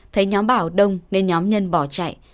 thấy nhóm bảo đông nên nhóm nhân bỏ chạy